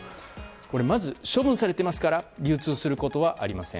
まず処分されていますから流通することはありません。